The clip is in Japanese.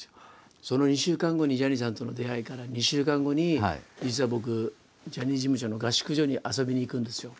その２週間後にジャニーさんとの出会いから２週間後に実は僕ジャニーズ事務所の合宿所に遊びに行くんですよ。